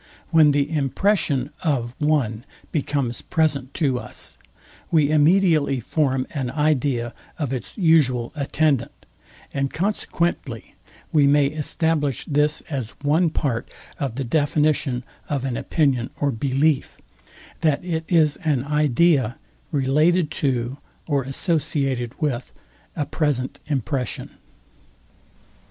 When the impression of one becomes present to us, we immediately form an idea of its usual attendant; and consequently we may establish this as one part of the definition of an opinion or belief, that it is an idea related to or associated with a present impression.